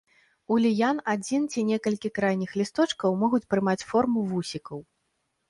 У ліян адзін ці некалькі крайніх лісточкаў могуць прымаць форму вусікаў.